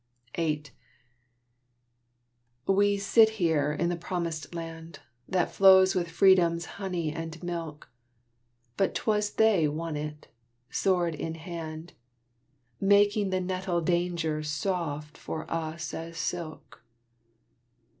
VIII We sit here in the Promised Land That flows with Freedom's honey and milk; But 'twas they won it, sword in hand, Making the nettle danger soft for us as silk.